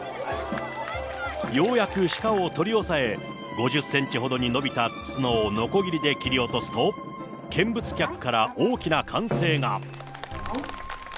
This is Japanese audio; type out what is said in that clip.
ようやく鹿を取り押さえ、５０センチなどに伸びた角をのこぎりで切り落とすと、見物客から大きな歓声が。